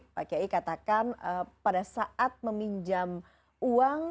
pak kiai katakan pada saat meminjam uang